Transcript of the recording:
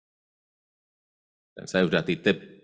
maupun yang dalam kegiatan pelaburan negara antarabangsa semuanya